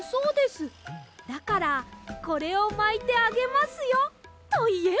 だからこれをまいてあげますよといえば。